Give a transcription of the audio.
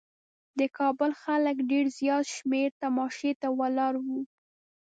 د کابل خلک ډېر زیات شمېر تماشې ته ولاړ وو.